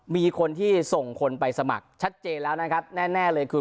มีคนที่ส่งคนไปสมัครแน่เลยคือ